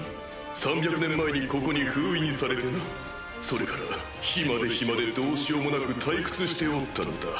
３００年前にここに封印されてなそれから暇で暇でどうしようもなく退屈しておったのだ。